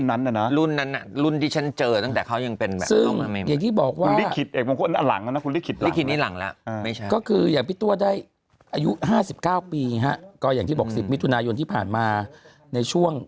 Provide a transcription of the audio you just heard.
อ่ามีของเบิร์ตทองชัยในรุ่นนั้นนะ